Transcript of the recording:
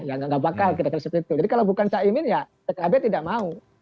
jadi kalau tidak ya pak cak imin tidak mau